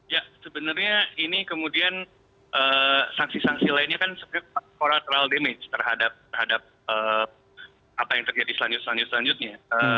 ya sebenarnya ini kemudian saksi saksi lainnya kan sebenarnya terhadap apa yang terjadi selanjutnya